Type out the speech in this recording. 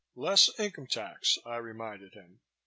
"Less income tax," I reminded him.